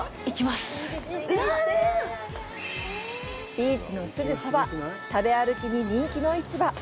ビーチのすぐそば食べ歩きに人気の市場。